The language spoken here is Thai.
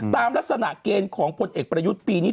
ตามลักษณะเกณฑ์ของพลเอกประยุทธ์ปีนี้